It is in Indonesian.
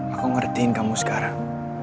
aku ngertiin kamu sekarang